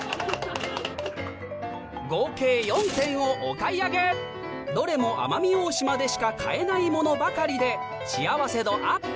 合計４点をお買い上げどれも奄美大島でしか買えないものばかりで幸せ度アップ！